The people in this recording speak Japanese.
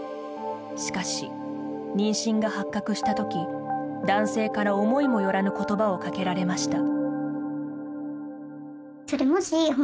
しかし、妊娠が発覚したとき男性から思いもよらぬ言葉をかけられました。